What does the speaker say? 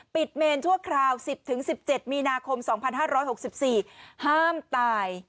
เมนชั่วคราว๑๐๑๗มีนาคม๒๕๖๔ห้ามตาย